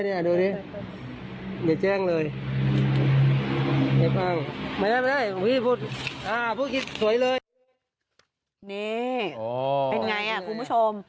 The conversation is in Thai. นี่เป็นอย่างไรครับคุณผู้ชม